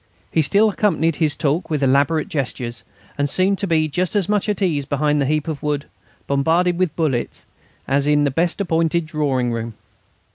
He still accompanied his talk with elaborate gestures, and seemed to be just as much at ease behind his heap of wood, bombarded with bullets, as in the best appointed drawing room.